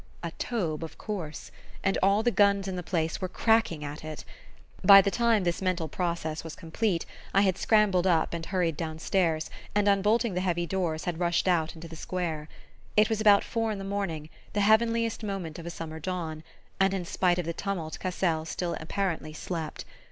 A Taube, of course! And all the guns in the place were cracking at it! By the time this mental process was complete, I had scrambled up and hurried downstairs and, unbolting the heavy doors, had rushed out into the square. It was about four in the morning, the heavenliest moment of a summer dawn, and in spite of the tumult Cassel still apparently slept.